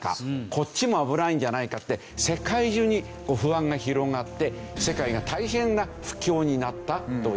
こっちも危ないんじゃないかって世界中に不安が広がって世界が大変な不況になったという事ですね。